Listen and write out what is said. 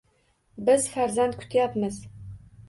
- Biz farzand kutyapmiz!